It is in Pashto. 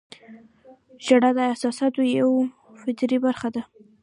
• ژړا د احساساتو یوه فطري برخه ده.